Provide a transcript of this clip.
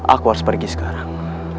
aku harus pergi sekarang